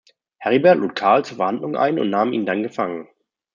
Heribert lud Karl zu Verhandlungen ein und nahm ihn dann gefangen.